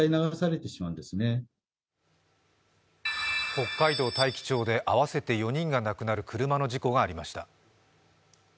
北海道大樹町で合わせて４人が亡くなる車の事故がありました。